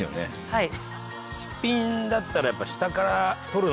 はい。